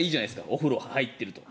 お風呂に入っていると。